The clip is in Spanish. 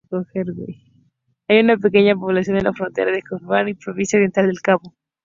Hay una pequeña población en la frontera de KwaZulu-Natal y Provincia Oriental del Cabo.